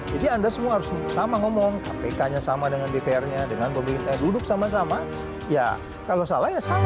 jadi anda semua harus sama ngomong kpk nya sama dengan dpr nya dengan pemerintah yang duduk sama sama ya kalau salah ya sama